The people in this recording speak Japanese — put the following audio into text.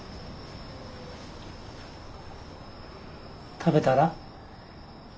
食べたら？